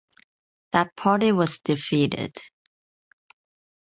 That party was defeated.